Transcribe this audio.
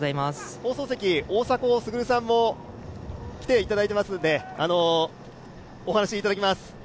放送席、大迫傑さんも来ていただいていますのでお話いただきます。